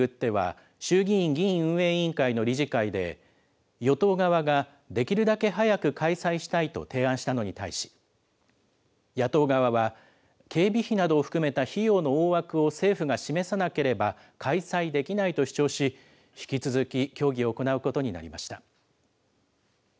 閉会中審査を巡っては、衆議院議院運営委員会の理事会で、与党側ができるだけ早く開催したいと提案したのに対し、野党側は警備費などを含めた費用の大枠を政府が示さなければ開催できないと主張し、引き続き、協議を行うことになりました。